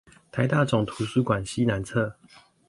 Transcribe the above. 臺大總圖書館西南側